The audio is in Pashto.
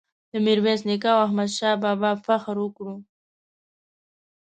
د میرویس نیکه او احمد شاه بابا فخر وکړو.